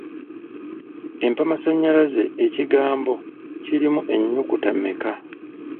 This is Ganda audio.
Empamasannyalaze ekigambo kirimu ennyukuta mmeka?